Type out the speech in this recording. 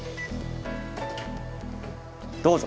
どうぞ。